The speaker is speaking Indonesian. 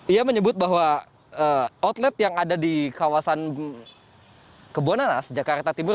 ia menyebut bahwa outlet yang ada di kawasan kebonanas jakarta timur